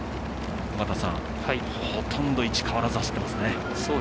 ほとんど位置変わらず走っていますね。